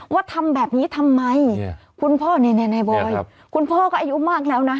ทำแบบนี้ทำไมคุณพ่อนี่นายบอยคุณพ่อก็อายุมากแล้วนะ